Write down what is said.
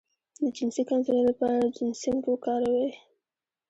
د جنسي کمزوری لپاره جنسینګ وکاروئ